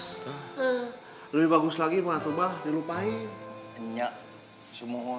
lebih bagus lagi mbak tuh mbak dilupain